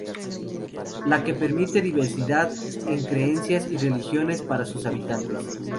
La que permite diversidad en creencias y religiones para sus habitantes.